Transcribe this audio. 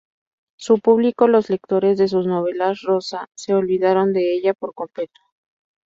Su público, los lectores de sus novelas rosa se olvidaron de ella por completo.